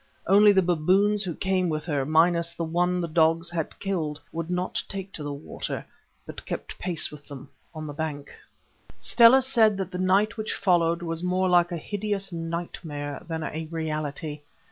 Only the baboons who came with her, minus the one the dogs had killed, would not take to the water, but kept pace with them on the bank. Stella said that the night which followed was more like a hideous nightmare than a reality.